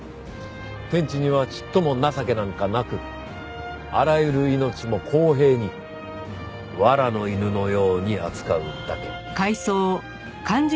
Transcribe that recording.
天地にはちっとも情けなんかなくあらゆる命も公平にわらの犬のように扱うだけ。